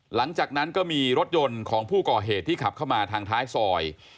หลังจากนั้นก็มีรถยนต์ของผู้ก่อเหตุที่ขับเข้ามาทางท้ายซอย